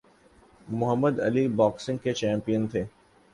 محمد Ali boxing کے champion تھے۔